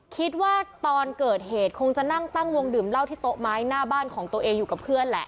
คิดว่าตอนเกิดเหตุคงจะนั่งตั้งวงดื่มเหล้าที่โต๊ะไม้หน้าบ้านของตัวเองอยู่กับเพื่อนแหละ